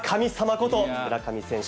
こと村上選手。